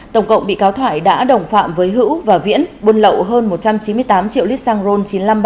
tổng cộng bị cáo thoại đã đồng phạm với hữu và viễn buôn lậu hơn một trăm chín mươi tám triệu lít xăng ron chín trăm năm mươi ba